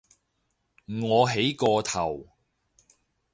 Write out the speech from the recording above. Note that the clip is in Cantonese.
我起個頭